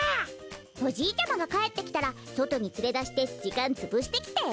おじいちゃまがかえってきたらそとにつれだしてじかんつぶしてきて！